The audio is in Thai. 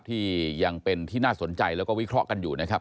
ที่ยังเป็นที่น่าสนใจแล้วก็วิเคราะห์กันอยู่นะครับ